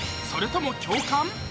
それとも共感？